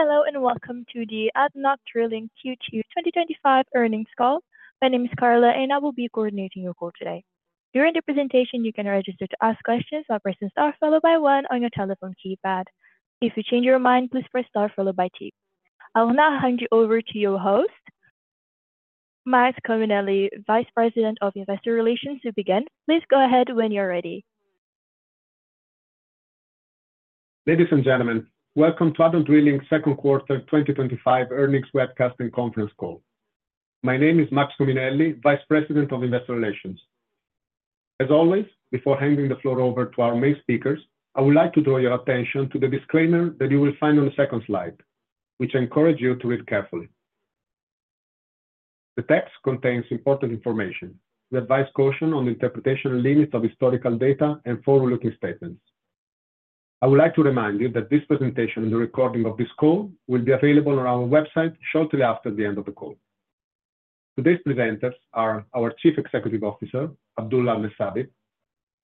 Hello and welcome to the ADNOC Drilling Q2 2025 earnings call. My name is Carla, and I will be coordinating your call today. During the presentation, you can register to ask questions by pressing star followed by one on your telephone keypad. If you change your mind, please press star followed by two. I will now hand you over to your host, Max Cominelli, Vice President of Investor Relations, to begin. Please go ahead when you're ready. Ladies and gentlemen, welcome to ADNOC Drilling second quarter 2025 earnings webcast and conference call. My name is Max Cominelli, Vice President of Investor Relations. As always, before handing the floor over to our main speakers, I would like to draw your attention to the disclaimer that you will find on the second slide, which I encourage you to read carefully. The text contains important information, with advised caution on the interpretation limits of historical data and forward-looking statements. I would like to remind you that this presentation and the recording of this call will be available on our website shortly after the end of the call. Today's presenters are our Chief Executive Officer, Abdulla Ateya Al Messabi,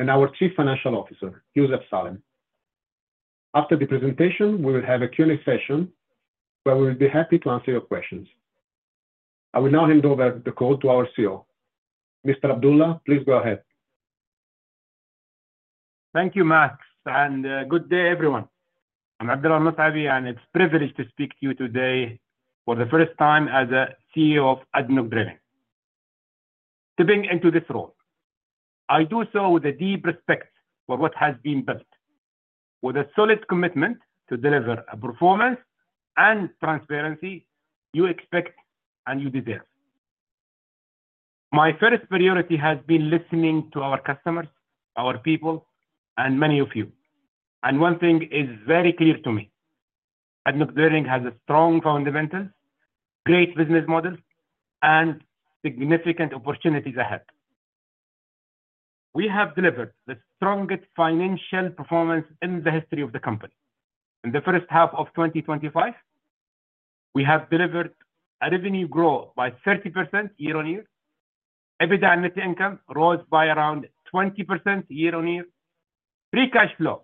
and our Chief Financial Officer, Youssef Salem. After the presentation, we will have a Q&A session where we will be happy to answer your questions. I will now hand over the call to our CEO. Mr. Abdulla, please go ahead. Thank you, Max, and good day, everyone. I'm Abdulla Ateya Al Messabi, and it's a privilege to speak to you today for the first time as CEO of ADNOC Drilling. Stepping into this role, I do so with a deep respect for what has been built, with a solid commitment to deliver a performance and transparency you expect and you deserve. My first priority has been listening to our customers, our people, and many of you. One thing is very clear to me. ADNOC Drilling has strong fundamentals, great business models, and significant opportunities ahead. We have delivered the strongest financial performance in the history of the company. In the first half of 2025, we have delivered a revenue growth by 30% year-on-year. EBITDA and net income rose by around 20% year-on-year. Free cash flow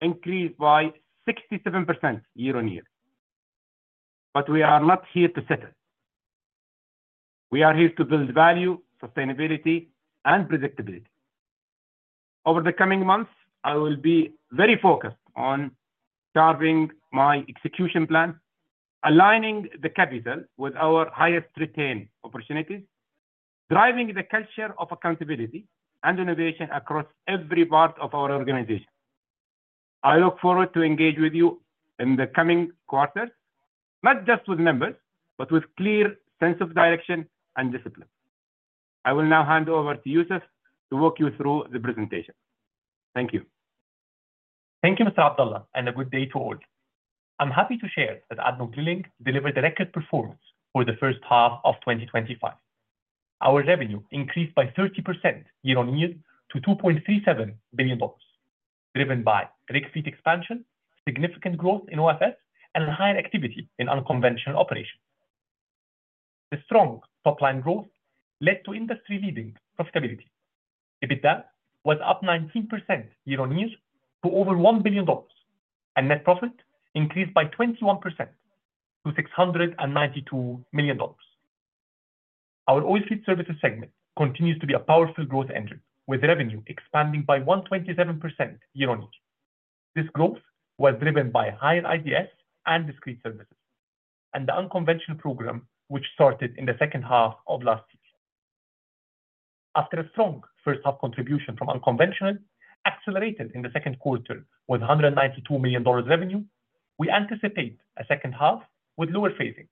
increased by 67% year-on-year. We are not here to settle. We are here to build value, sustainability, and predictability. Over the coming months, I will be very focused on carving my execution plan, aligning the capital with our highest retained opportunities, driving the culture of accountability and innovation across every part of our organization. I look forward to engaging with you in the coming quarters, not just with numbers, but with a clear sense of direction and discipline. I will now hand over to Youssef to walk you through the presentation. Thank you. Thank you, Mr. Abdulla, and a good day to all. I'm happy to share that ADNOC Drilling delivered a record performance for the first half of 2025. Our revenue increased by 30% year-on-year to $2.37 billion, driven by rig fleet expansion, significant growth in OFS, and higher activity in unconventional operations. The strong top-line growth led to industry-leading profitability. EBITDA was up 19% year-on-year to over $1 billion, and net profit increased by 21% to $692 million. Our oilfield services segment continues to be a powerful growth engine, with revenue expanding by 127% year-on-year. This growth was driven by higher IDS and Discrete Services, and the unconventional program, which started in the second half of last year. After a strong first-half contribution from unconventional, accelerated in the second quarter with $192 million revenue, we anticipate a second half with lower phasing,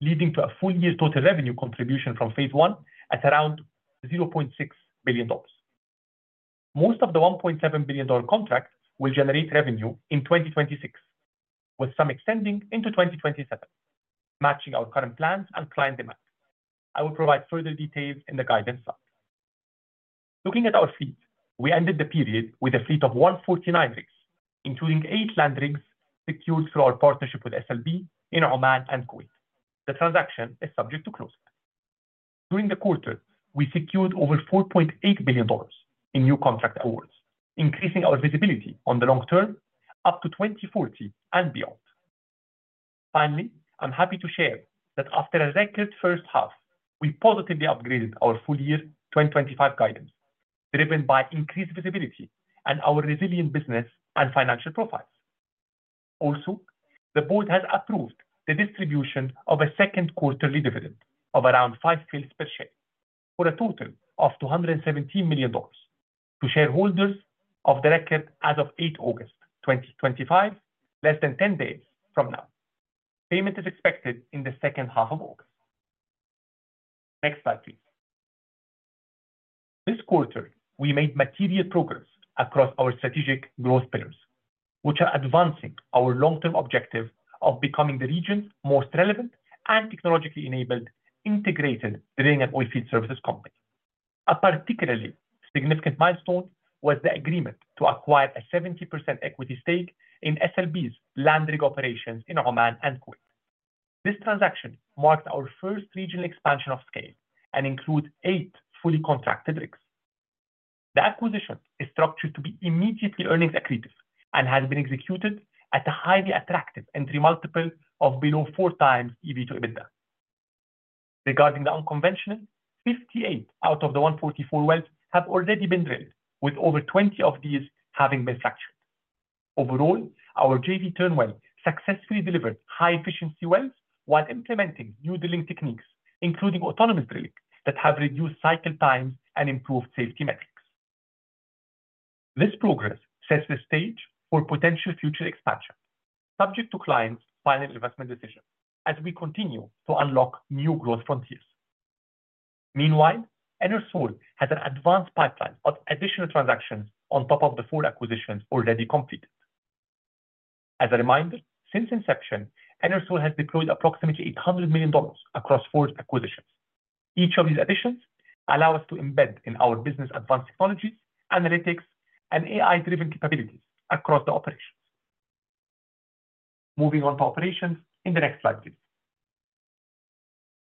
leading to a full-year total revenue contribution from phase one at around $0.6 billion. Most of the $1.7 billion contract will generate revenue in 2026, with some extending into 2027, matching our current plans and client demand. I will provide further details in the guidance slide. Looking at our fleet, we ended the period with a fleet of 149 rigs, including eight land rigs secured through our partnership with SLB in Oman and Kuwait. The transaction is subject to closing. During the quarter, we secured over $4.8 billion in new contract awards, increasing our visibility on the long term up to 2040 and beyond. Finally, I'm happy to share that after a record first half, we positively upgraded our full-year 2025 guidance, driven by increased visibility and our resilient business and financial profiles. Also, the board has approved the distribution of a second quarterly dividend of around five fils per share for a total of $217 million to shareholders of the record as of 8 August 2025, less than 10 days from now. Payment is expected in the second half of August. Next slide, please. This quarter, we made material progress across our strategic growth pillars, which are advancing our long-term objective of becoming the region's most relevant and technologically enabled integrated drilling and oilfield services company. A particularly significant milestone was the agreement to acquire a 70% equity stake in SLB's land rig operations in Oman and Kuwait. This transaction marked our first regional expansion of scale and includes eight fully contracted rigs. The acquisition is structured to be immediately earnings-accretive and has been executed at a highly attractive entry multiple of below four times net debt to EBITDA. Regarding the unconventional, 58 out of the 144 wells have already been drilled, with over 20 of these having been fractured. Overall, our JV Turnwell successfully delivered high-efficiency wells while implementing new drilling techniques, including autonomous drilling that have reduced cycle times and improved safety metrics. This progress sets the stage for potential future expansion, subject to clients' final investment decision, as we continue to unlock new growth frontiers. Meanwhile, Enersol has an advanced pipeline of additional transactions on top of the four acquisitions already completed. As a reminder, since inception, Enersol has deployed approximately $800 million across four acquisitions. Each of these additions allows us to embed in our business advanced technologies, analytics, and AI-driven capabilities across the operations. Moving on to operations, in the next slide, please.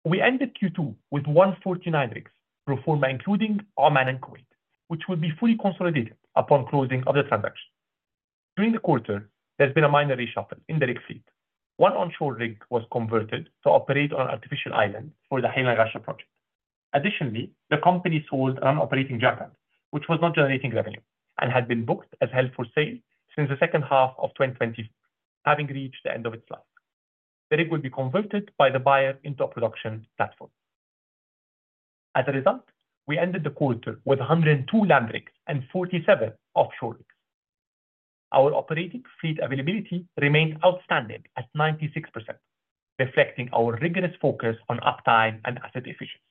We ended Q2 with 149 rigs performed, including Oman and Kuwait, which will be fully consolidated upon closing of the transaction. During the quarter, there's been a minor reshuffle in the rig fleet. One onshore rig was converted to operate on an artificial island for the Hainan Gasher project. Additionally, the company sold an operating jackup rig, which was not generating revenue and had been booked as held for sale since the second half of 2024, having reached the end of its life. The rig will be converted by the buyer into a production platform. As a result, we ended the quarter with 102 land rigs and 47 offshore rigs. Our operating fleet availability remained outstanding at 96%, reflecting our rigorous focus on uptime and asset efficiency.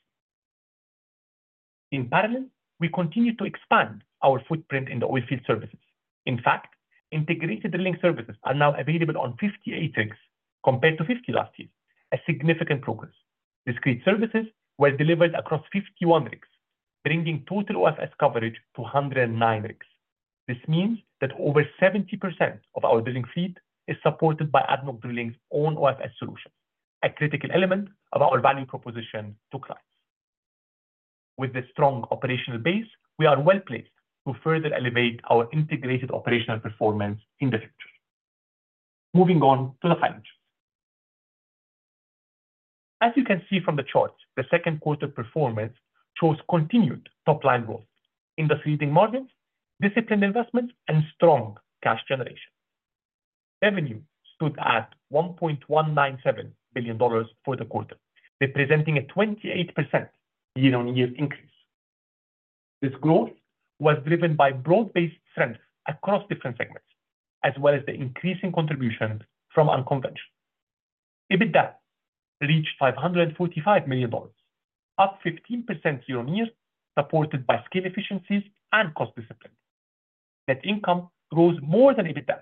In parallel, we continue to expand our footprint in the oilfield services. In fact, integrated drilling services are now available on 58 rigs compared to 50 last year, a significant progress. Discrete services were delivered across 51 rigs, bringing total OFS coverage to 109 rigs. This means that over 70% of our drilling fleet is supported by ADNOC Drilling's own OFS solutions, a critical element of our value proposition to clients. With this strong operational base, we are well placed to further elevate our integrated operational performance in the future. Moving on to the financials. As you can see from the chart, the second quarter performance shows continued top-line growth, industry-leading margins, disciplined investments, and strong cash generation. Revenue stood at $1.197 billion for the quarter, representing a 28% year-on-year increase. This growth was driven by broad-based strength across different segments, as well as the increasing contribution from unconventional. EBITDA reached $545 million, up 15% year-on-year, supported by scale efficiencies and cost discipline. Net income rose more than EBITDA,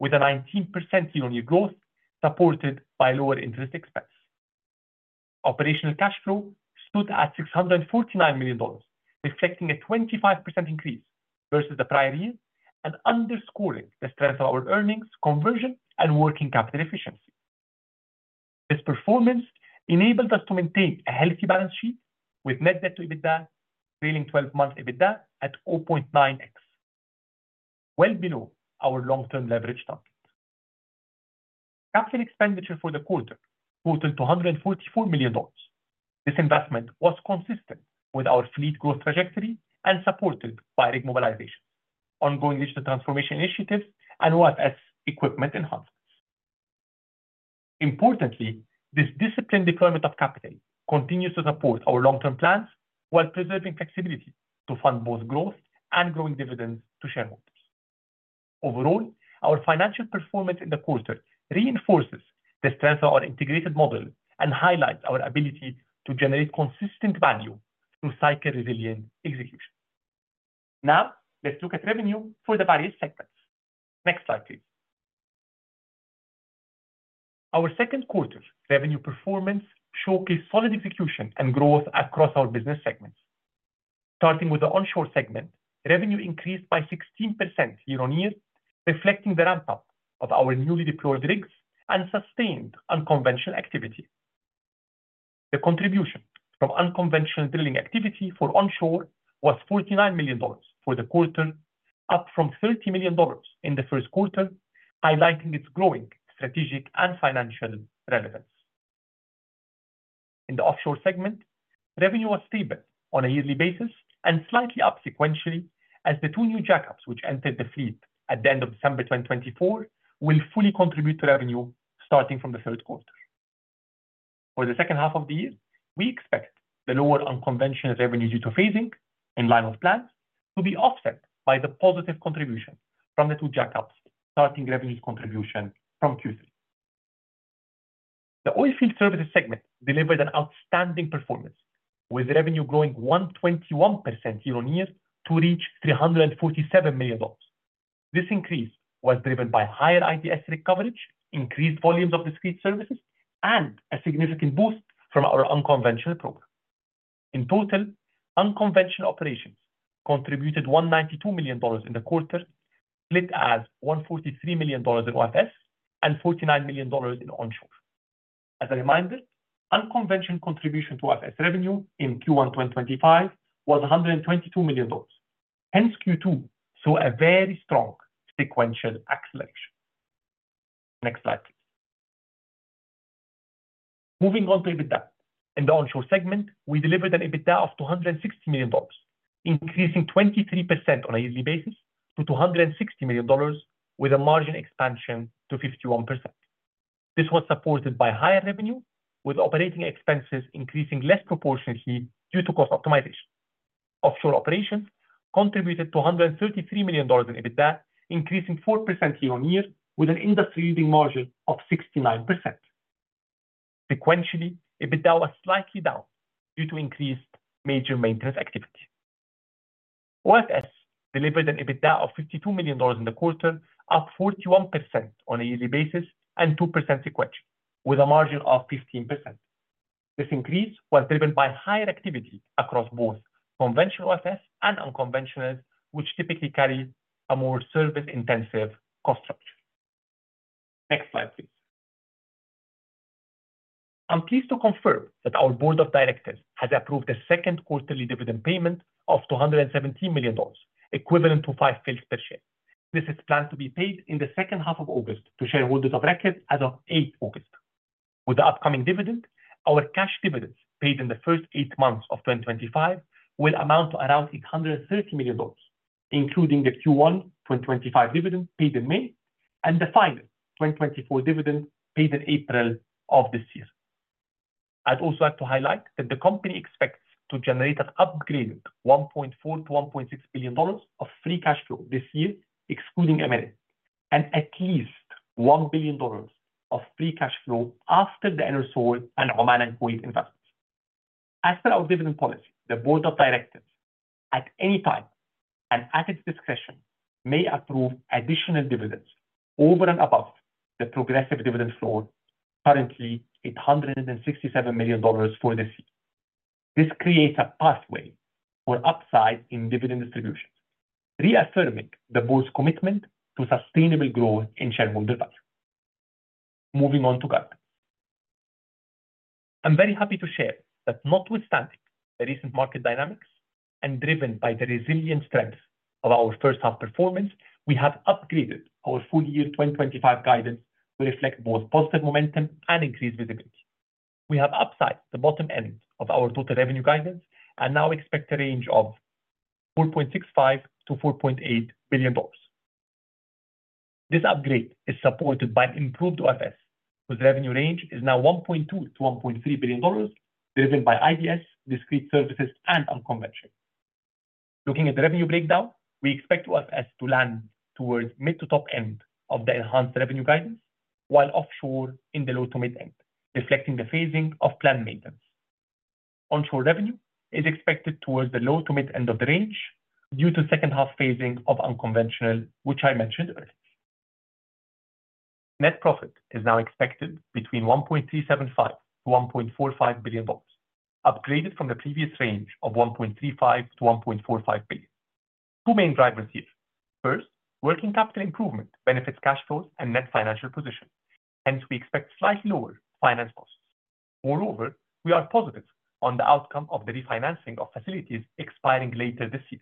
with a 19% year-on-year growth supported by lower interest expense. Operational cash flow stood at $649 million, reflecting a 25% increase versus the prior year and underscoring the strength of our earnings, conversion, and working capital efficiency. This performance enabled us to maintain a healthy balance sheet, with net debt to EBITDA trailing 12-month EBITDA at 0.9x, well below our long-term leverage target. Capital expenditure for the quarter totaled $244 million. This investment was consistent with our fleet growth trajectory and supported by rig mobilizations, ongoing digital transformation initiatives, and OFS equipment enhancements. Importantly, this disciplined deployment of capital continues to support our long-term plans while preserving flexibility to fund both growth and growing dividends to shareholders. Overall, our financial performance in the quarter reinforces the strength of our integrated model and highlights our ability to generate consistent value through cycle-resilient execution. Now, let's look at revenue for the various segments. Next slide, please. Our second quarter revenue performance showcased solid execution and growth across our business segments. Starting with the onshore segment, revenue increased by 16% year-on-year, reflecting the ramp-up of our newly deployed rigs and sustained unconventional activity. The contribution from unconventional drilling activity for onshore was $49 million for the quarter, up from $30 million in the first quarter, highlighting its growing strategic and financial relevance. In the offshore segment, revenue was stable on a yearly basis and slightly up sequentially, as the two new jackup rigs which entered the fleet at the end of December 2024 will fully contribute to revenue starting from the third quarter. For the second half of the year, we expect the lower unconventional revenue due to phasing, in line with plans, to be offset by the positive contribution from the two jackhammers, starting revenue contribution from Q3. The oilfield services segment delivered an outstanding performance, with revenue growing 121% year-on-year to reach $347 million. This increase was driven by higher IDS rig coverage, increased volumes of discrete services, and a significant boost from our unconventional program. In Total, unconventional operations contributed $192 million in the quarter, split as $143 million in offshore and $49 million in onshore. As a reminder, unconventional contribution to offshore revenue in Q1 2025 was $122 million. Hence, Q2 saw a very strong sequential acceleration. Next slide, please. Moving on to EBITDA. In the onshore segment, we delivered an EBITDA of $260 million, increasing 23% on a yearly basis to $260 million, with a margin expansion to 51%. This was supported by higher revenue, with operating expenses increasing less proportionately due to cost optimization. Offshore operations contributed $233 million in EBITDA, increasing 4% year-on-year, with an industry-leading margin of 69%. Sequentially, EBITDA was slightly down due to increased major maintenance activity. Offshore delivered an EBITDA of $52 million in the quarter, up 41% on a yearly basis and 2% sequentially, with a margin of 15%. This increase was driven by higher activity across both conventional offshore and unconventional, which typically carry a more service-intensive cost structure. Next slide, please. I'm pleased to confirm that our Board of Directors has approved a second quarterly dividend payment of $217 million, equivalent to five fils per share. This is planned to be paid in the second half of August to shareholders of record as of eight August. With the upcoming dividend, our cash dividends paid in the first eight months of 2025 will amount to around $830 million, including the Q1 2025 dividend paid in May and the final 2024 dividend paid in April of this year. I'd also like to highlight that the company expects to generate an upgraded $1.4 billion-$1.6 billion of free cash flow this year, excluding M&A, and at least $1 billion of free cash flow after the Enersol and Oman and Kuwait investments. As per our dividend policy, the Board of Directors, at any time and at its discretion, may approve additional dividends over and above the progressive dividend floor, currently $867 million for this year. This creates a pathway for upside in dividend distributions, reaffirming the board's commitment to sustainable growth in shareholder value. Moving on to guidance. I'm very happy to share that, notwithstanding the recent market dynamics and driven by the resilient strength of our first-half performance, we have upgraded our full-year 2025 guidance to reflect both positive momentum and increased visibility. We have upsized the bottom end of our total revenue guidance and now expect a range of $4.65 billion-$4.8 billion. This upgrade is supported by improved OFS, whose revenue range is now $1.2 billion-$1.3 billion, driven by IDS, discrete services, and unconventional. Looking at the revenue breakdown, we expect OFS to land towards mid to top end of the enhanced revenue guidance, while offshore in the low to mid end, reflecting the phasing of planned maintenance. Onshore revenue is expected towards the low to mid end of the range due to second-half phasing of unconventional, which I mentioned earlier. Net profit is now expected between $1.375 billion-$1.45 billion, upgraded from the previous range of $1.35 billion-$1.45 billion. Two main drivers here. First, working capital improvement benefits cash flows and net financial position. Hence, we expect slightly lower finance costs. Moreover, we are positive on the outcome of the refinancing of facilities expiring later this year.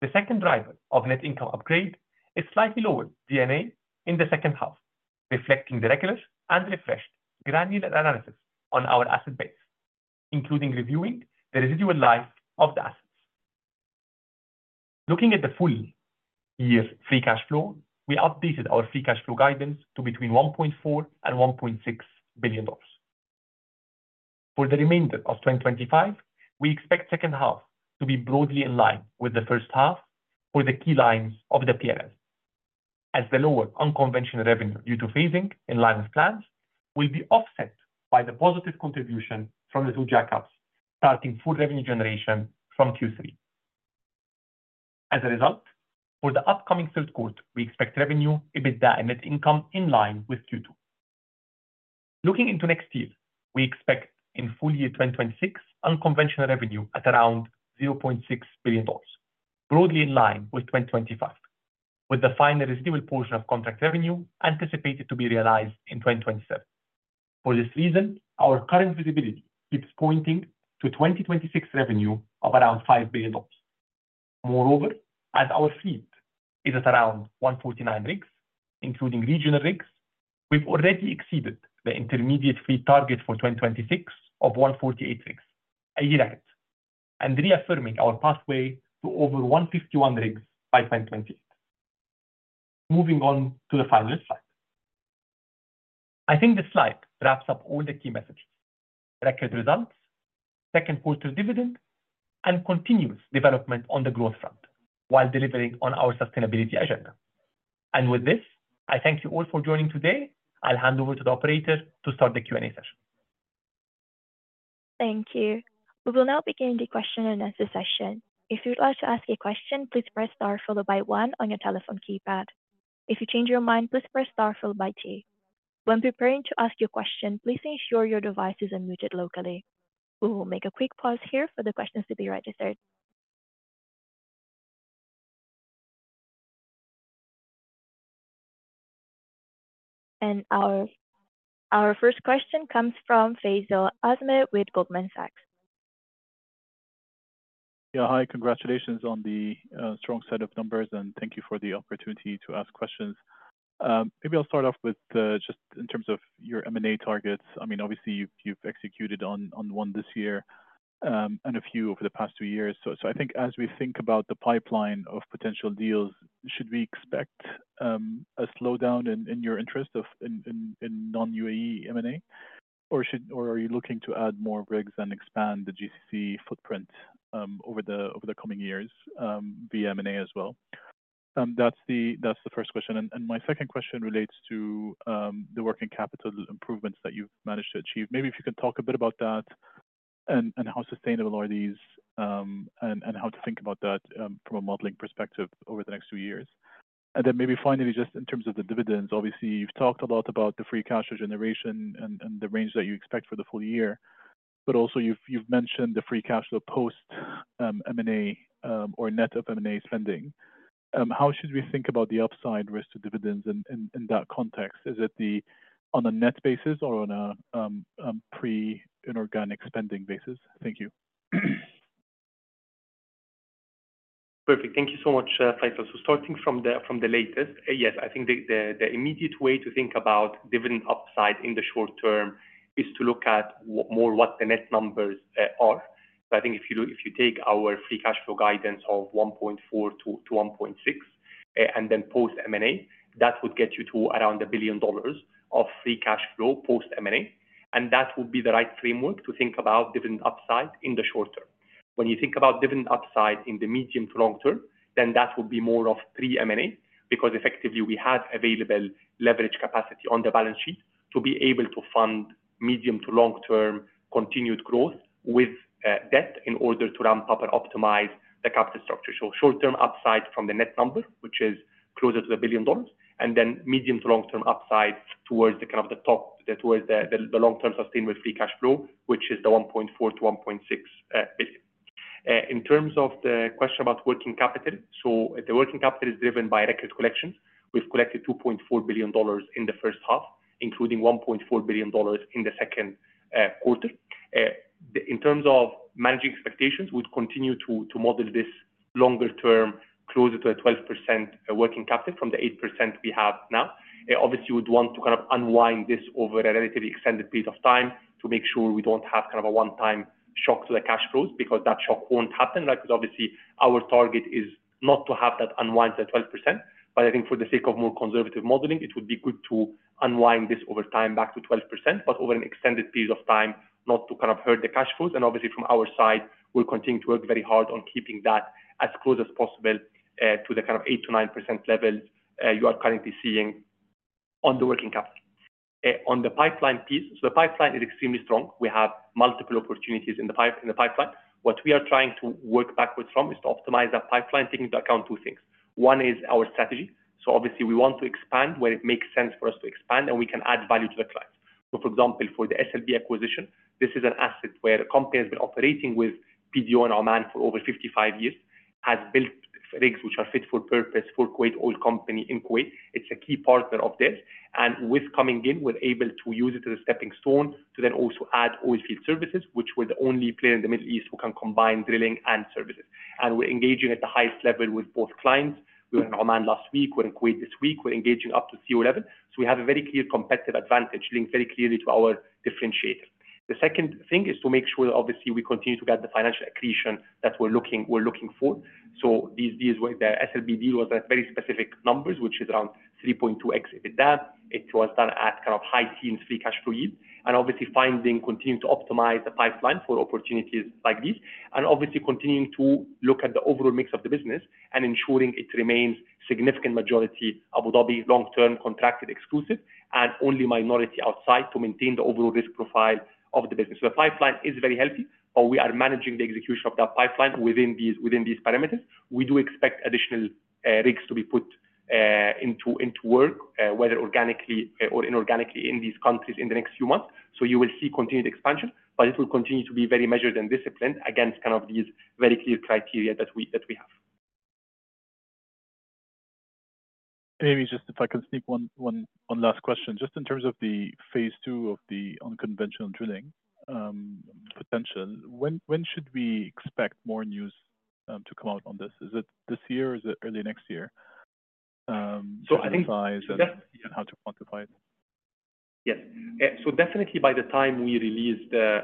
The second driver of net income upgrade is slightly lower D&A in the second half, reflecting the regular and refreshed granular analysis on our asset base, including reviewing the residual life of the assets. Looking at the full year free cash flow, we updated our free cash flow guidance to between $1.4 billion-$1.6 billion. For the remainder of 2025, we expect the second half to be broadly in line with the first half for the key lines of the P&L, as the lower unconventional revenue due to phasing, in line with plans, will be offset by the positive contribution from the two jackup rigs, starting full revenue generation from Q3. As a result, for the upcoming third quarter, we expect revenue, EBITDA, and net income in line with Q2. Looking into next year, we expect in full year 2026 unconventional revenue at around $0.6 billion, broadly in line with 2025, with the final residual portion of contract revenue anticipated to be realized in 2027. For this reason, our current visibility keeps pointing to 2026 revenue of around $5 billion. Moreover, as our fleet is at around 149 rigs, including regional rigs, we've already exceeded the intermediate fleet target for 2026 of 148 rigs, a year ahead, reaffirming our pathway to over 151 rigs by 2028. Moving on to the final slide. I think this slide wraps up all the key messages: record results, second quarter dividend, and continuous development on the growth front while delivering on our sustainability agenda. With this, I thank you all for joining today. I'll hand over to the operator to start the Q&A session. Thank you. We will now begin the question and answer session. If you'd like to ask a question, please press star followed by one on your telephone keypad. If you change your mind, please press start followed by two. When preparing to ask your question, please ensure your device is unmuted locally. We will make a quick pause here for the questions to be registered. Our first question comes from Faisal Azmer with Goldman Sachs. Yeah, hi. Congratulations on the strong set of numbers, and thank you for the opportunity to ask questions. Maybe I'll start off with just in terms of your M&A targets. I mean, obviously, you've executed on one this year and a few over the past two years. I think as we think about the pipeline of potential deals, should we expect a slowdown in your interest in non-UAE M&A? Or are you looking to add more rigs and expand the GCC footprint over the coming years via M&A as well? That's the first question. My second question relates to the working capital improvements that you've managed to achieve. Maybe if you can talk a bit about that and how sustainable are these, and how to think about that from a modeling perspective over the next two years. Then maybe finally, just in terms of the dividends, obviously, you've talked a lot about the free cash flow generation and the range that you expect for the full year, but also, you've mentioned the free cash flow post M&A or net of M&A spending. How should we think about the upside risk to dividends in that context? Is it on a net basis or on a pre-inorganic spending basis? Thank you. Perfect. Thank you so much, Faisal. Starting from the latest, yes, I think the immediate way to think about dividend upside in the short term is to look at more what the net numbers are. I think if you take our free cash flow guidance of $1.4 billion-$1.6 billion and then post M&A, that would get you to around $1 billion of free cash flow post M&A. That would be the right framework to think about dividend upside in the short term. When you think about dividend upside in the medium to long term, that would be more of pre-M&A because effectively, we have available leverage capacity on the balance sheet to be able to fund medium to long-term continued growth with debt in order to ramp up and optimize the capital structure. Short-term upside from the net number, which is closer to $1 billion, and then medium to long-term upside towards the top, towards the long-term sustainable free cash flow, which is the $1.4 billion-$1.6 billion. In terms of the question about working capital, the working capital is driven by record collections. We have collected $2.4 billion in the first half, including $1.4 billion in the second quarter. In terms of managing expectations, we would continue to model this longer term, closer to a 12% working capital from the 8% we have now. Obviously, we would want to kind of unwind this over a relatively extended period of time to make sure we do not have kind of a one-time shock to the cash flows because that shock will not happen. Our target is not to have that unwind to the 12%. I think for the sake of more conservative modeling, it would be good to unwind this over time back to 12%, but over an extended period of time, not to hurt the cash flows. From our side, we will continue to work very hard on keeping that as close as possible to the kind of 8%-9% levels you are currently seeing on the working capital. On the pipeline piece, the pipeline is extremely strong. We have multiple opportunities in the pipeline. What we are trying to work backwards from is to optimize that pipeline, taking into account two things. One is our strategy. We want to expand where it makes sense for us to expand, and we can add value to the clients. For example, for the SLB acquisition, this is an asset where the company has been operating with Petroleum Development Oman in Oman for over 55 years, has built rigs which are fit for purpose for Kuwait Oil Company in Kuwait. It is a key partner of theirs. With coming in, we are able to use it as a stepping stone to then also add oilfield services, which we are the only player in the Middle East who can combine drilling and services. We are engaging at the highest level with both clients. We were in Oman last week. We are in Kuwait this week. We are engaging up to CEO level. We have a very clear competitive advantage linked very clearly to our differentiator. The second thing is to make sure, obviously, we continue to get the financial accretion that we're looking for. The SLB deal was at very specific numbers, which is around 3.2x EBITDA. It was done at kind of high teens free cash flow yield. Obviously, finding, continuing to optimize the pipeline for opportunities like these. Obviously, continuing to look at the overall mix of the business and ensuring it remains significant majority Abu Dhabi long-term contracted exclusive and only minority outside to maintain the overall risk profile of the business. The pipeline is very healthy, but we are managing the execution of that pipeline within these parameters. We do expect additional rigs to be put into work, whether organically or inorganically, in these countries in the next few months. You will see continued expansion, but it will continue to be very measured and disciplined against kind of these very clear criteria that we have. Maybe just if I could sneak one last question, just in terms of the phase two of the unconventional drilling potential, when should we expect more news to come out on this? Is it this year? Is it early next year? I think how to quantify it? Yes. Definitely, by the time we release the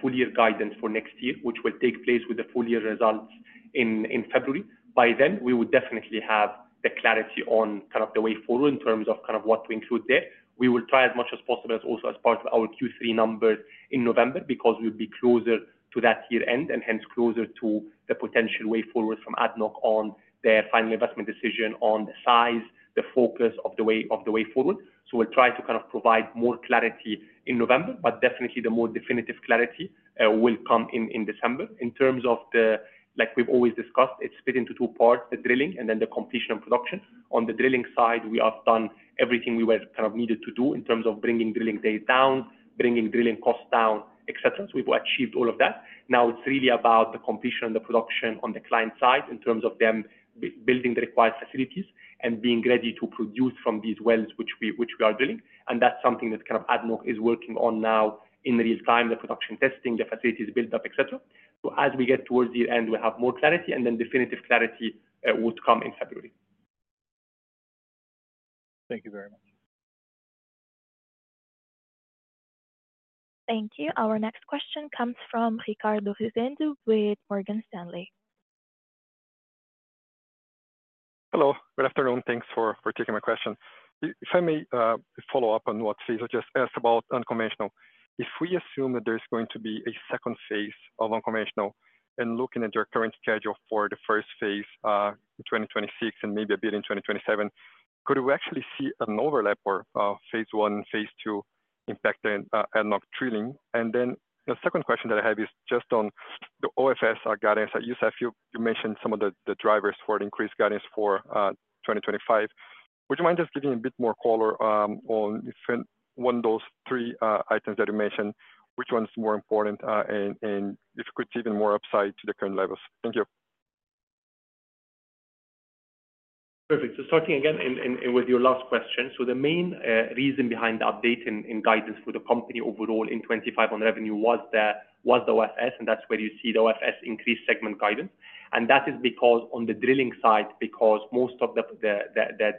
full-year guidance for next year, which will take place with the full-year results in February, by then, we would definitely have the clarity on kind of the way forward in terms of kind of what to include there. We will try as much as possible also as part of our Q3 numbers in November because we'll be closer to that year-end and hence closer to the potential way forward from ADNOC on their final investment decision on the size, the focus of the way forward. We'll try to provide more clarity in November, but definitely the more definitive clarity will come in December. In terms of the, like we've always discussed, it's split into two parts, the drilling and then the completion of production. On the drilling side, we have done everything we were kind of needed to do in terms of bringing drilling days down, bringing drilling costs down, etc. We've achieved all of that. Now it's really about the completion and the production on the client side in terms of them building the required facilities and being ready to produce from these wells which we are drilling. That's something that kind of ADNOC is working on now in real time, the production testing, the facilities build-up, etc. As we get towards the end, we'll have more clarity, and then definitive clarity would come in February. Thank you very much. Thank you. Our next question comes from Ricardo Rezende with Morgan Stanley. Hello. Good afternoon. Thanks for taking my question. If I may follow up on what Faisal just asked about unconventional, if we assume that there's going to be a second phase of unconventional and looking at your current schedule for the first phase in 2026 and maybe a bit in 2027, could we actually see an overlap or phase one and phase two impacting ADNOC Drilling? The second question that I have is just on the OFS guidance. You mentioned some of the drivers for the increased guidance for 2025. Would you mind just giving a bit more color on one of those three items that you mentioned? Which one's more important? And if you could see even more upside to the current levels. Thank you. Perfect. Starting again with your last question, the main reason behind the update in guidance for the company overall in 2025 on revenue was the OFS, and that's where you see the OFS increased segment guidance. That is because on the drilling side, because most of the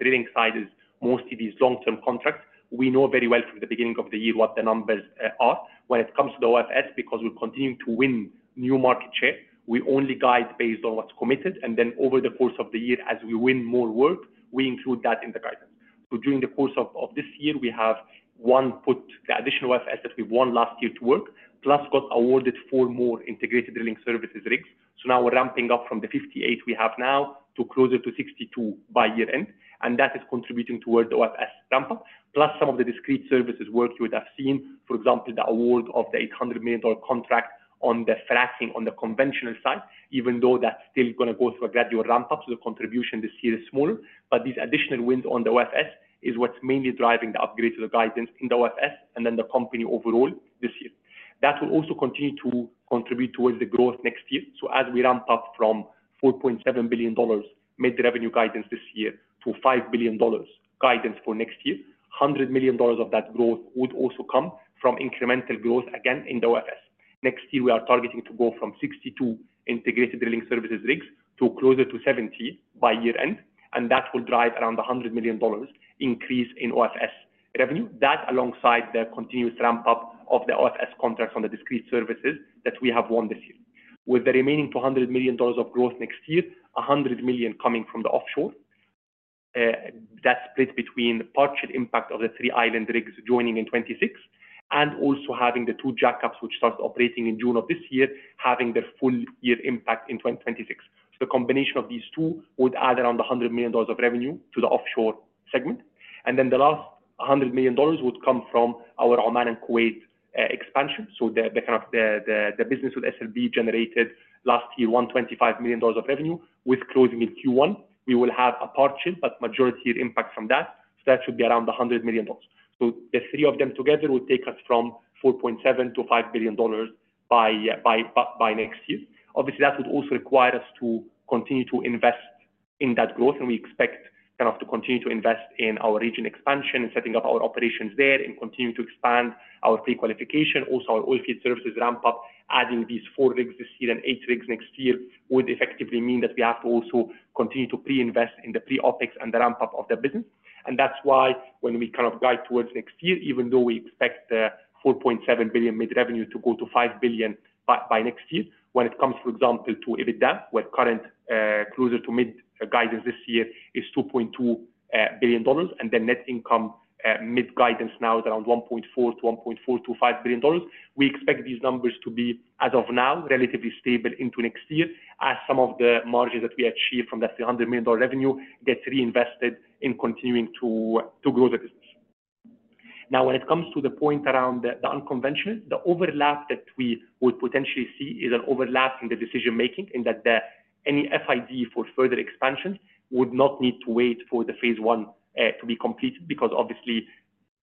drilling side is mostly these long-term contracts, we know very well from the beginning of the year what the numbers are when it comes to the OFS because we're continuing to win new market share. We only guide based on what's committed. Over the course of the year, as we win more work, we include that in the guidance. During the course of this year, we have won the additional OFS that we've won last year to work, plus got awarded four more integrated drilling services rigs. Now we're ramping up from the 58 we have now to closer to 62 by year-end. That is contributing toward the OFS ramp-up, plus some of the discrete services work you would have seen, for example, the award of the $800 million contract on the fracking on the conventional side, even though that's still going to go through a gradual ramp-up. The contribution this year is smaller, but these additional wins on the OFS is what's mainly driving the upgrade to the guidance in the OFS and then the company overall this year. That will also continue to contribute towards the growth next year. As we ramp up from $4.7 billion mid-revenue guidance this year to $5 billion guidance for next year, $100 million of that growth would also come from incremental growth again in the OFS. Next year, we are targeting to go from 62 integrated drilling services rigs to closer to 70 by year-end. That will drive around $100 million increase in OFS revenue, that alongside the continuous ramp-up of the OFS contracts on the discrete services that we have won this year. With the remaining $200 million of growth next year, $100 million coming from the offshore. That is split between part-share impact of the three island rigs joining in 2026, and also having the two jackup rigs which started operating in June of this year, having their full-year impact in 2026. The combination of these two would add around $100 million of revenue to the offshore segment. The last $100 million would come from our Oman and Kuwait expansion. The business with SLB generated last year $125 million of revenue with closing in Q1. We will have a part-share, but majority impact from that. That should be around $100 million. The three of them together would take us from $4.7 billion to $5 billion by next year. Obviously, that would also require us to continue to invest in that growth. We expect to continue to invest in our region expansion and setting up our operations there and continue to expand our pre-qualification. Also, our oilfield services ramp-up, adding these four rigs this year and eight rigs next year would effectively mean that we have to also continue to pre-invest in the pre-OPEX and the ramp-up of the business. That is why when we guide towards next year, even though we expect the $4.7 billion mid-revenue to go to $5 billion by next year, when it comes, for example, to EBITDA, where current closer to mid-guidance this year is $2.2 billion, and the net income mid-guidance now is around $1.4 billion to $1.45 billion, we expect these numbers to be, as of now, relatively stable into next year as some of the margins that we achieve from that $300 million revenue gets reinvested in continuing to grow the business. Now, when it comes to the point around the unconventional, the overlap that we would potentially see is an overlap in the decision-making in that any FID for further expansions would not need to wait for the phase one to be completed because, obviously,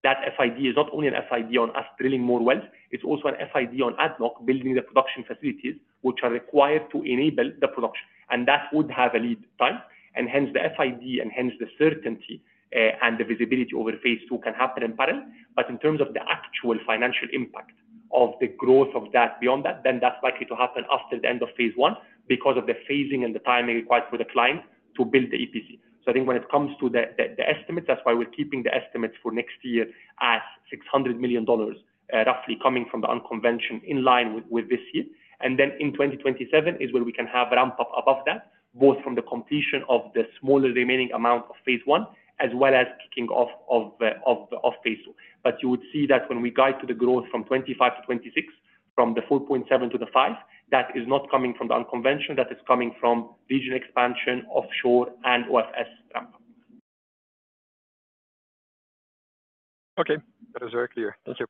that FID is not only an FID on us drilling more wells. It's also an FID on ADNOC building the production facilities which are required to enable the production. That would have a lead time. Hence, the FID and hence the certainty and the visibility over phase two can happen in parallel. In terms of the actual financial impact of the growth of that beyond that, then that's likely to happen after the end of phase one because of the phasing and the timing required for the client to build the EPC. I think when it comes to the estimates, that's why we're keeping the estimates for next year as $600 million, roughly coming from the unconventional in line with this year. In 2027 is where we can have ramp-up above that, both from the completion of the smaller remaining amount of phase I as well as kicking off phase II. You would see that when we guide to the growth from 25 to 26, from the four point seven to the five, that is not coming from the unconventional. That is coming from region expansion, offshore, and OFS ramp-up. Okay. That is very clear. Thank you.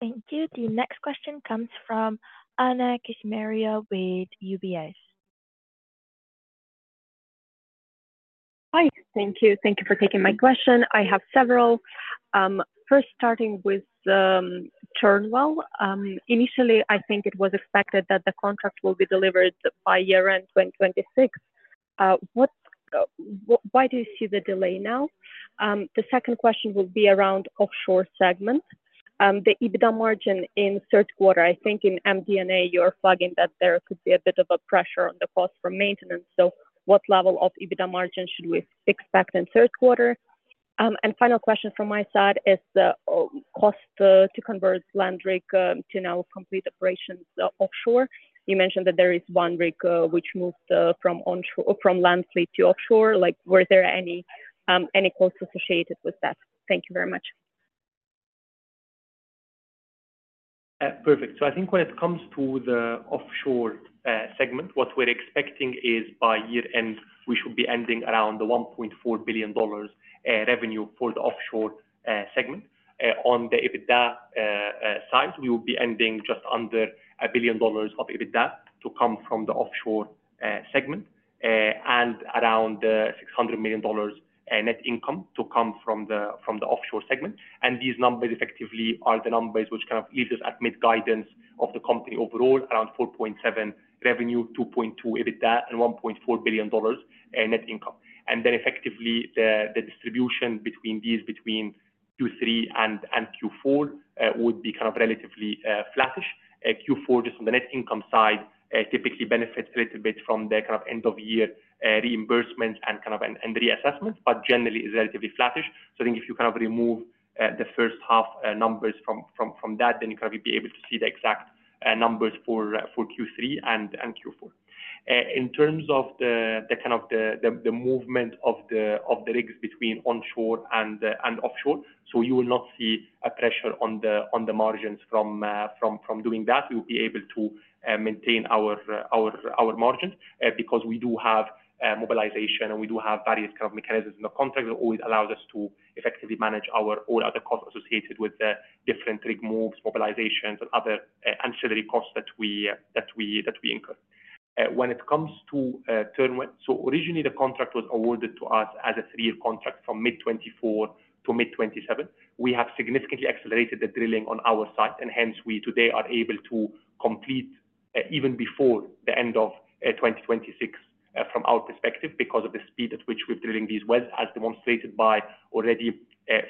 Thank you. The next question comes from Anna Kishmaria with UBS. Hi. Thank you. Thank you for taking my question. I have several. First, starting with Turnwell. Initially, I think it was expected that the contract will be delivered by year-end 2026. Why do you see the delay now? The second question will be around offshore segment. The EBITDA margin in third quarter, I think in MD&A, you're flagging that there could be a bit of a pressure on the cost for maintenance. What level of EBITDA margin should we expect in third quarter? Final question from my side is cost to convert land rig to now complete operations offshore? You mentioned that there is one rig which moved from land fleet to offshore. Were there any costs associated with that? Thank you very much. Perfect. I think when it comes to the offshore segment, what we're expecting is by year-end, we should be ending around the $1.4 billion revenue for the offshore segment. On the EBITDA side, we will be ending just under a billion dollars of EBITDA to come from the offshore segment. Around $600 million net income to come from the offshore segment. These numbers effectively are the numbers which kind of leave us at mid-guidance of the company overall, around 4.7 revenue, 2.2 EBITDA, and $1.4 billion net income. Effectively, the distribution between these between Q3 and Q4 would be kind of relatively flattish. Q4, just on the net income side, typically benefits a little bit from the kind of end-of-year reimbursements and reassessments, but generally is relatively flattish. I think if you kind of remove the first half numbers from that, then you kind of would be able to see the exact numbers for Q3 and Q4. In terms of the kind of the movement of the rigs between onshore and offshore, you will not see a pressure on the margins from doing that. We will be able to maintain our margins because we do have mobilization and we do have various kind of mechanisms in the contract that always allows us to effectively manage all other costs associated with the different rig moves, mobilizations, and other ancillary costs that we incur. When it comes to Turnwell, originally, the contract was awarded to us as a three-year contract from mid-2024 to mid-2027. We have significantly accelerated the drilling on our side, and hence, we today are able to complete even before the end of 2026 from our perspective because of the speed at which we're drilling these wells, as demonstrated by already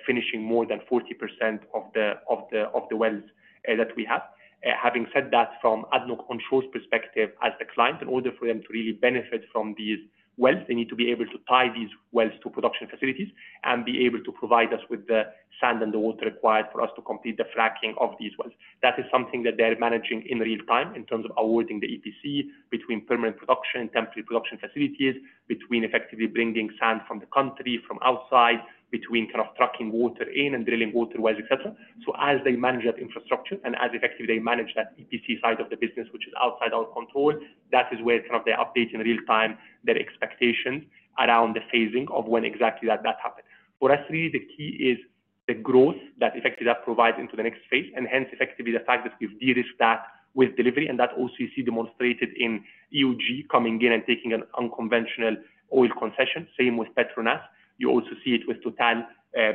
finishing more than 40% of the wells that we have. Having said that, from ADNOC Onshore's perspective, as the client, in order for them to really benefit from these wells, they need to be able to tie these wells to production facilities and be able to provide us with the sand and the water required for us to complete the fracking of these wells. That is something that they're managing in real time in terms of awarding the EPC between permanent production and temporary production facilities, between effectively bringing sand from the country, from outside, between kind of trucking water in and drilling water wells, etc. As they manage that infrastructure and as effectively they manage that EPC side of the business, which is outside our control, that is where they're updating real-time their expectations around the phasing of when exactly that happened. For us, really, the key is the growth that effectively that provides into the next phase. Hence, effectively, the fact that we've de-risked that with delivery. That also you see demonstrated in EUG coming in and taking an unconventional oil concession. Same with PETRONAS. You also see it with total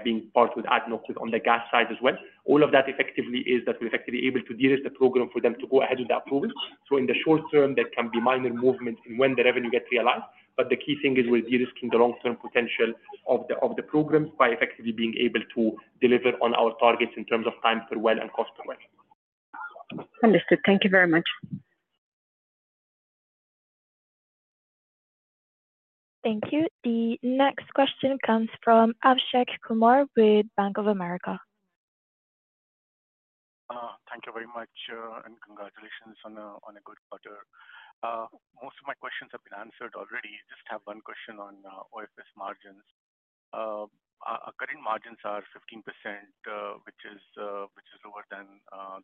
being part with ADNOC on the gas side as well. All of that effectively is that we're effectively able to de-risk the program for them to go ahead with the approval. In the short term, there can be minor movements in when the revenue gets realized. The key thing is we're de-risking the long-term potential of the programs by effectively being able to deliver on our targets in terms of time per well and cost per well. Understood. Thank you very much. Thank you. The next question comes from Abhishek Kumar with Bank of America. Thank you very much and congratulations on a good quarter. Most of my questions have been answered already. I just have one question on OFS margins. Our current margins are 15%, which is lower than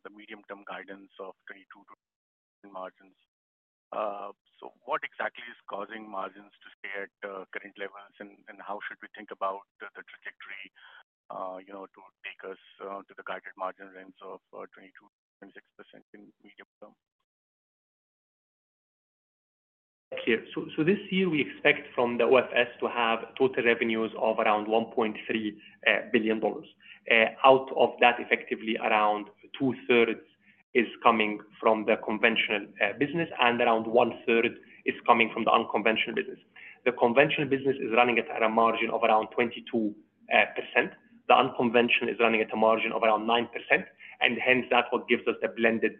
the medium-term guidance of 22% margins. What exactly is causing margins to stay at current levels, and how should we think about the trajectory to take us to the guided margin range of 22-26% in the medium term? Thank you. This year, we expect from the OFS to have total revenues of around $1.3 billion. Out of that, effectively, around two-thirds is coming from the conventional business, and around one-third is coming from the unconventional business. The conventional business is running at a margin of around 22%. The unconventional is running at a margin of around 9%. That is what gives us the blended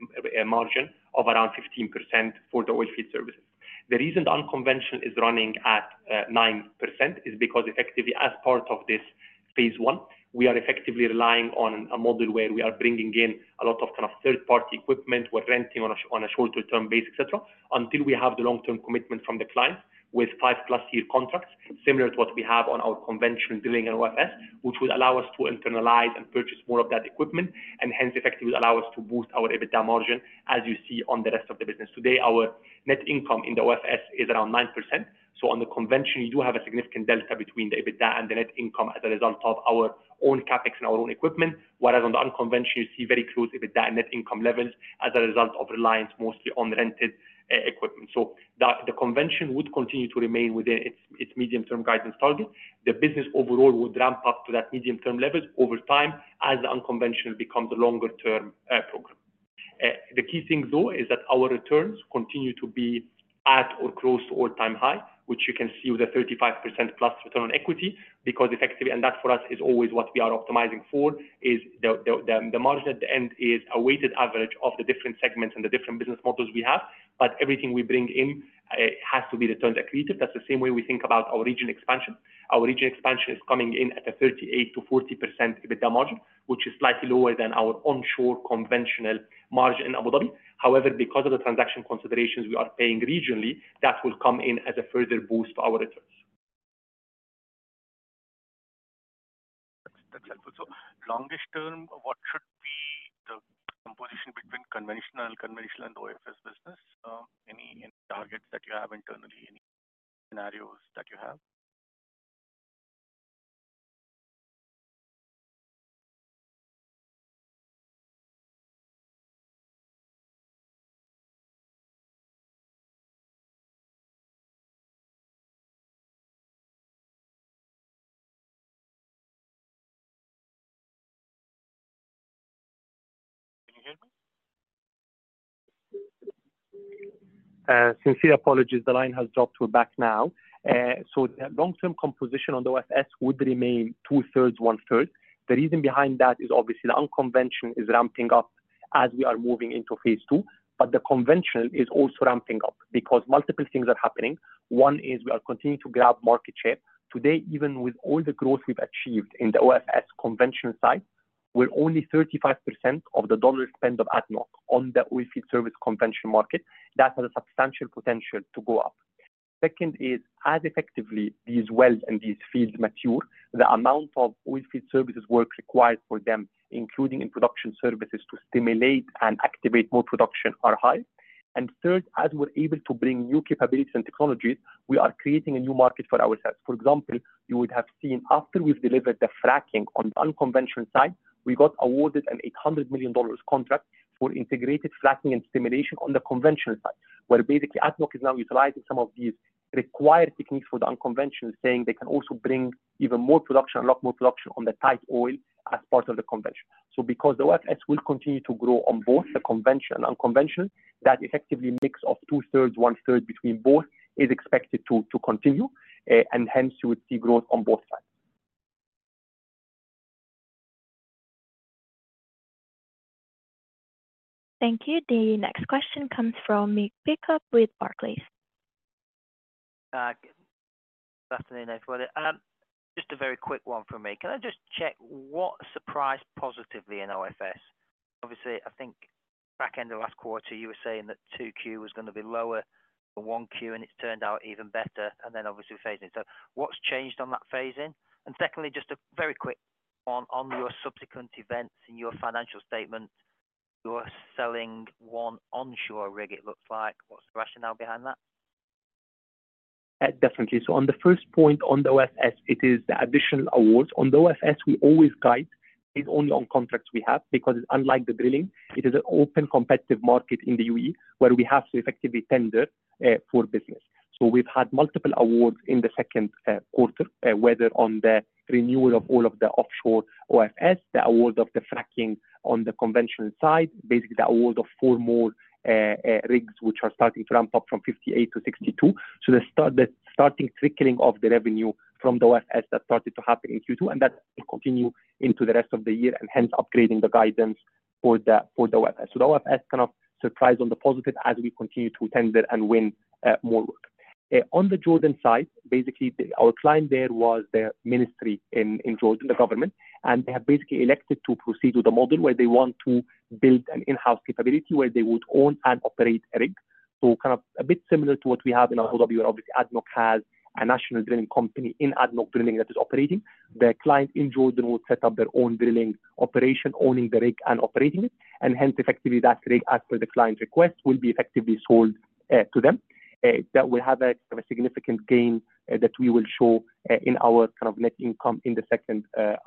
margin of around 15% for the oilfield services. The reason the unconventional is running at 9% is because, effectively, as part of this phase one, we are relying on a model where we are bringing in a lot of kind of third-party equipment. We're renting on a shorter-term base, etc., until we have the long-term commitment from the client with five-plus-year contracts, similar to what we have on our conventional drilling and OFS, which would allow us to internalize and purchase more of that equipment, and hence, effectively would allow us to boost our EBITDA margin, as you see on the rest of the business. Today, our net income in the OFS is around 9%. On the conventional, you do have a significant delta between the EBITDA and the net income as a result of our own CapEx and our own equipment, whereas on the unconventional, you see very close EBITDA and net income levels as a result of reliance mostly on rented equipment. The conventional would continue to remain within its medium-term guidance target. The business overall would ramp up to that medium-term level over time as the unconventional becomes a longer-term program. The key thing, though, is that our returns continue to be at or close to all-time high, which you can see with a 35% plus return on equity because, effectively, and that for us is always what we are optimizing for, is the margin at the end is a weighted average of the different segments and the different business models we have. Everything we bring in has to be return accretive. That is the same way we think about our region expansion. Our region expansion is coming in at a 38-40% EBITDA margin, which is slightly lower than our onshore conventional margin in Abu Dhabi. However, because of the transaction considerations we are paying regionally, that will come in as a further boost to our returns. That is helpful. Long-term, what should be the composition between conventional and OFS business? Any targets that you have internally, any scenarios that you have? Can you hear me? Sincere apologies. The line has dropped to a back now. The long-term composition on the OFS would remain two-thirds, one-third. The reason behind that is obviously the unconventional is ramping up as we are moving into phase two, but the conventional is also ramping up because multiple things are happening. One is we are continuing to grab market share. Today, even with all the growth we have achieved in the OFS conventional side, we are only 35% of the dollar spend of ADNOC on the oilfield services conventional market. That has a substantial potential to go up. Second is, as effectively these wells and these fields mature, the amount of oilfield services work required for them, including in production services, to stimulate and activate more production are high. Third, as we are able to bring new capabilities and technologies, we are creating a new market for ourselves. For example, you would have seen after we have delivered the fracking on the unconventional side, we got awarded an $800 million contract for integrated fracking and stimulation on the conventional side, where basically ADNOC is now utilizing some of these required techniques for the unconventional, saying they can also bring even more production, unlock more production on the tight oil as part of the conventional. Because the OFS will continue to grow on both the conventional and unconventional, that effectively mix of two-thirds, one-third between both is expected to continue. Hence, you would see growth on both sides. Thank you. The next question comes from Mick Pickup with Barclays. Good afternoon, everybody. Just a very quick one for me. Can I just check what surprised positively in OFS? Obviously, I think back end of last quarter, you were saying that 2Q was going to be lower than 1Q, and it's turned out even better. Obviously, phasing. What has changed on that phasing? Secondly, just a very quick one on your subsequent events in your financial statement. You're selling one onshore rig, it looks like. What's the rationale behind that? Definitely. On the first point on the OFS, it is the additional awards. On the OFS, we always guide only on contracts we have because, unlike the drilling, it is an open competitive market in the UAE where we have to effectively tender for business. We have had multiple awards in the second quarter, whether on the renewal of all of the offshore OFS, the award of the fracking on the conventional side, basically the award of four more rigs which are starting to ramp up from 58 to 62. The starting trickling of the revenue from the OFS started to happen in Q2, and that will continue into the rest of the year and hence upgrading the guidance for the OFS. The OFS kind of surprised on the positive as we continue to tender and win more work. On the Jordan side, our client there was the ministry in Jordan, the government, and they have elected to proceed with a model where they want to build an in-house capability where they would own and operate a rig. Kind of a bit similar to what we have in Abu Dhabi, where ADNOC has a national drilling company in ADNOC Drilling that is operating. The client in Jordan would set up their own drilling operation, owning the rig and operating it. Hence, effectively, that rig, as per the client request, will be effectively sold to them. That will have a significant gain that we will show in our net income in the second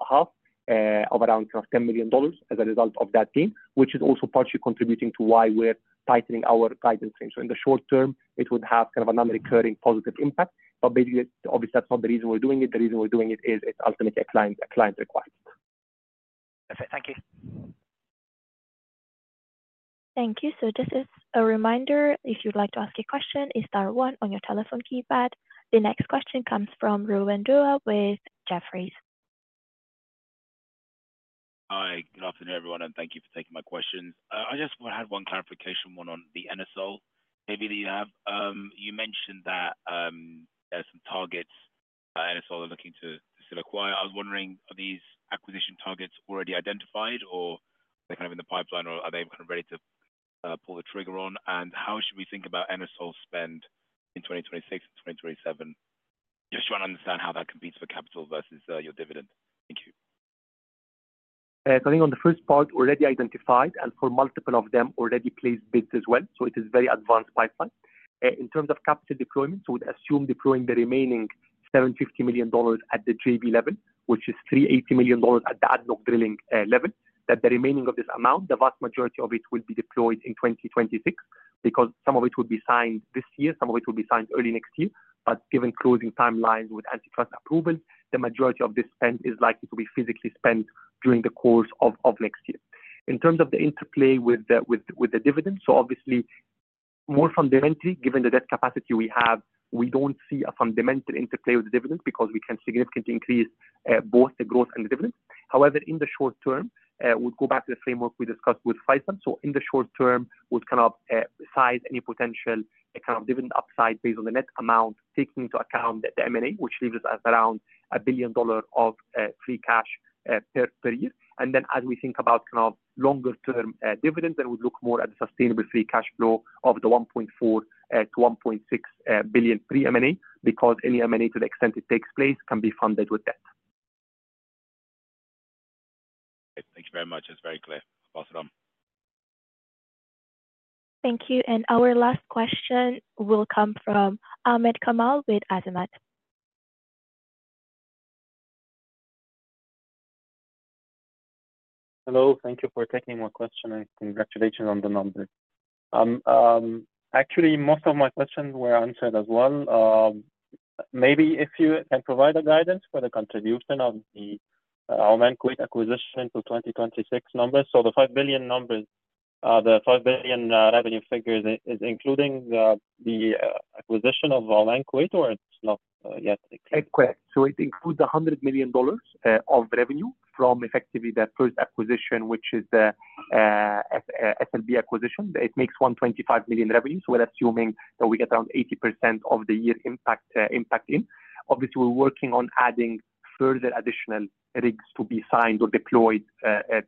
half of around $10 million as a result of that gain, which is also partially contributing to why we're tightening our guidance frame. In the short term, it would have a non-recurring positive impact. Obviously, that's not the reason we're doing it. The reason we're doing it is it's ultimately a client requirement. Perfect. Thank you. Thank you. Just as a reminder, if you'd like to ask a question, it's star one on your telephone keypad. The next question comes from Rowan Dua with Jefferies. Hi. Good afternoon, everyone, and thank you for taking my questions. I just want to add one clarification, one on the NSO maybe that you have. You mentioned that there are some targets NSO are looking to still acquire. I was wondering, are these acquisition targets already identified, or are they kind of in the pipeline, or are they kind of ready to pull the trigger on? How should we think about NSO spend in 2026 and 2027? Just trying to understand how that competes for capital versus your dividend. Thank you. Coming on the first part, already identified, and for multiple of them, already placed bids as well. It is a very advanced pipeline. In terms of capital deployment, we'd assume deploying the remaining $750 million at the JV level, which is $380 million at the ADNOC Drilling level, that the remaining of this amount, the vast majority of it, will be deployed in 2026 because some of it will be signed this year, some of it will be signed early next year. Given closing timelines with antitrust approvals, the majority of this spend is likely to be physically spent during the course of next year. In terms of the interplay with the dividend, obviously, more fundamentally, given the debt capacity we have, we do not see a fundamental interplay with the dividend because we can significantly increase both the growth and the dividend. However, in the short term, we'd go back to the framework we discussed with FISA. In the short term, we'd kind of size any potential kind of dividend upside based on the net amount, taking into account the M&A, which leaves us at around $1 billion of free cash per year. As we think about kind of longer-term dividends, then we'd look more at the sustainable free cash flow of the $1.4 billion-$1.6 billion pre-M&A because any M&A, to the extent it takes place, can be funded with debt. Thank you very much. It's very clear. Pass it on. Thank you. Our last question will come from Ahmed Kamal with Azimut. Hello. Thank you for taking my question and congratulations on the number. Actually, most of my questions were answered as well. Maybe if you can provide a guidance for the contribution of the AI Manqit acquisition to 2026 numbers. The $5 billion numbers, the $5 billion revenue figures, is including the acquisition of AI Manqit, or it's not yet? It includes $100 million of revenue from effectively that first acquisition, which is SLB acquisition. It makes $125 million revenue. We're assuming that we get around 80% of the year impact in. Obviously, we're working on adding further additional rigs to be signed or deployed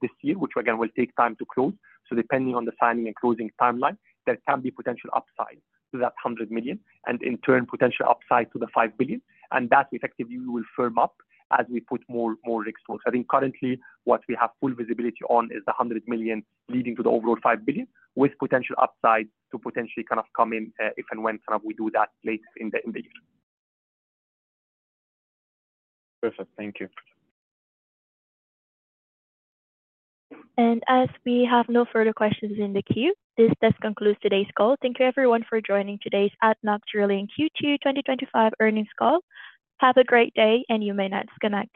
this year, which again will take time to close. Depending on the signing and closing timeline, there can be potential upside to that $100 million and in turn, potential upside to the $5 billion. That, effectively, we will firm up as we put more rigs to it. I think currently, what we have full visibility on is the $100 million leading to the overall $5 billion, with potential upside to potentially kind of come in if and when we do that later in the year. Perfect. Thank you. As we have no further questions in the queue, this does conclude today's call. Thank you, everyone, for joining today's ADNOC Drilling Q2 2025 earnings call. Have a great day, and you may not see much.